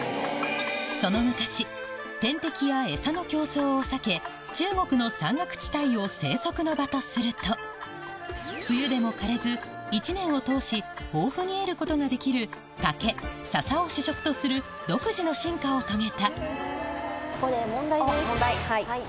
その昔天敵やエサの競争を避け中国の山岳地帯を生息の場とすると冬でも枯れず一年を通し豊富に得ることができる竹笹を主食とする独自の進化を遂げた問題はい。